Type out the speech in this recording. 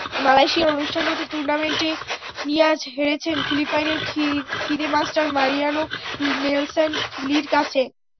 মালয়েশিয়ায় অনুষ্ঠানরত টুর্নামেন্টে নিয়াজ হেরেছেন ফিলিপাইনের ফিদে মাস্টার মারিয়ানো নেলসন লির কাছে।